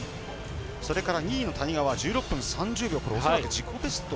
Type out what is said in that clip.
それから２位の谷川は１６分３０秒恐らく自己ベスト。